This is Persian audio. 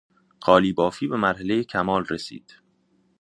قالیبافی به مرحلهی کمال رسید.